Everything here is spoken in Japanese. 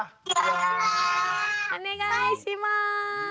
お願いします。